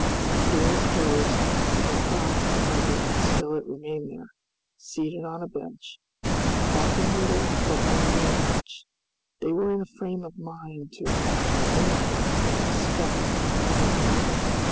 The door closed, Pencroft, Herbert and Spilett remained there, seated on a bench, talking little but wondering much. They were in a frame of mind to imagine anything or expect anything.